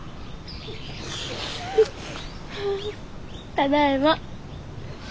ただいま。